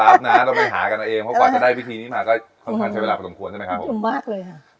เราไปหากันเองเพราะว่าจะได้วิธีนี้มาก็ควรใช้เวลาประสงควรใช่ไหมครับ